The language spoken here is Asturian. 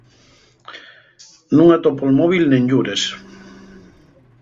Nun atopo'l móvil per nenyures.